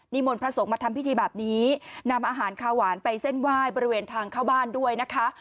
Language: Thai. มนต์พระสงฆ์มาทำพิธีแบบนี้นำอาหารคาหวานไปเส้นไหว้บริเวณทางเข้าบ้านด้วยนะคะ